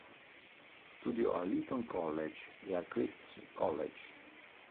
Studiò all'Eton College e al Christ's College.